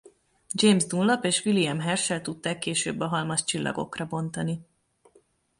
James Dunlop és William Herschel tudták később a halmazt csillagokra bontani.